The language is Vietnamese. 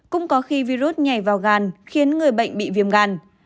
cũng có khi virus nhảy vào gan khiến người bệnh bị viêm gan